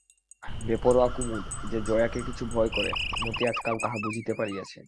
বেপরোয়া কুমুদ যে জয়াকে কিছু কিছু ভয় করে, মতি আজকাল তাহা বুঝিতে পারিয়াছে।